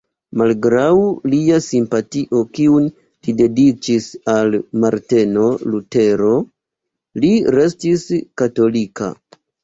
Malgraŭ lia simpatio kiun li dediĉis al Marteno Lutero, li restis katolika.